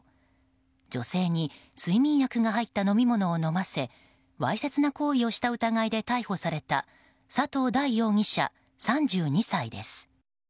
女性に睡眠薬が入った飲み物を飲ませわいせつな行為をした疑いで逮捕された佐藤大容疑者、３２歳です。